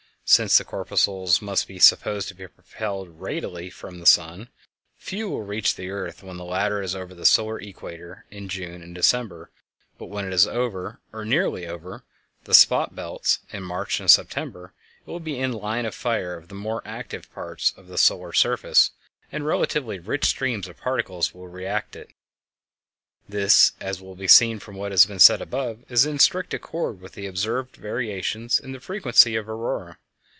Since the corpuscles must be supposed to be propelled radially from the sun, few will reach the earth when the latter is over the solar equator in June and December, but when it is over, or nearly over, the spot belts, in March and September, it will be in the line of fire of the more active parts of the solar surface, and relatively rich streams of particles will reach it. This, as will be seen from what has been said above, is in strict accord with the observed variations in the frequency of auroræ.